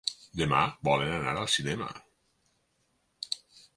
Demà volen anar al cinema.